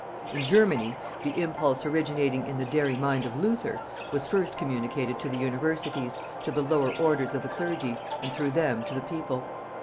In Germany, the impulse originating in the daring mind of Luther, was first communicated to the universities, to the lower orders of the clergy, and through them to the people.